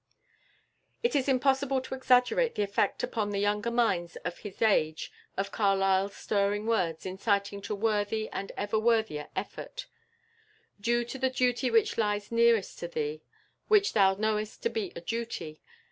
It is impossible to exaggerate the effect upon the younger minds of his age of Carlyle's stirring words, inciting to worthy and ever worthier effort: "Do the duty which lies nearest to thee, which thou knowest to be a duty.